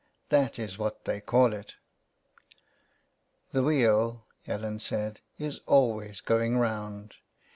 That is what they called it.'' *' The wheel," Ellen said, '' is always going round.